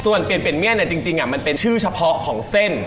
ส่วนเปลี่ยนเมียนจริงมันเป็นชื่อเฉพาะของเส้น